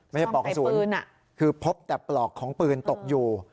ไม่ใช่ปลอกกระสุนคือพบแต่ปลอกของปืนตกอยู่